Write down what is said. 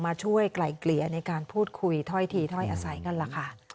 ช่วยไกลเกลี่ยในการพูดคุยถ้อยทีถ้อยอาศัยกันล่ะค่ะ